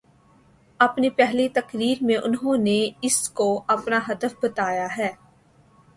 اپنی پہلی تقریر میں انہوں نے اس کو اپناہدف بتایا ہے۔